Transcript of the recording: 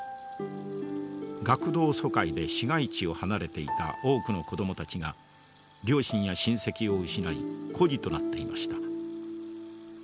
学童疎開で市街地を離れていた多くの子どもたちが両親や親戚を失い孤児となっていました。